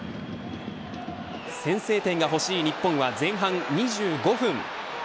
先制点が欲しい日本は前半２５分。